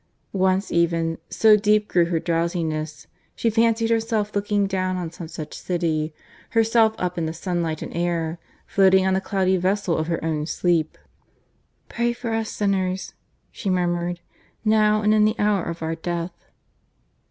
Once even, so deep grew her drowsiness, she fancied herself looking down on some such city, herself up in the sunlight and air, floating on the cloudy vessel of her own sleep. ... "Pray for us sinners," she murmured, "now and in the hour of our death."